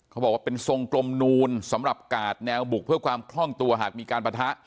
เขาบอกว่าเป็นทรงกลมนูนสำหรับกาดแนวบุกเพื่อความคล่องตัวหากมีการปะทะ